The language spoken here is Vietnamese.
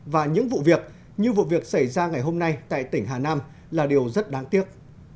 và những vụ việc như vụ việc xảy ra ngày hôm nay tại tỉnh hà nam là điều rất đáng tiếc